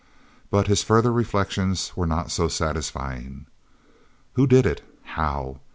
But his further reflections were not so satisfying. "Who did it? How?